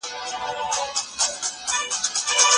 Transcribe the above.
ډېر ږدن او پاڼي له کړکۍ څخه راغلي دي.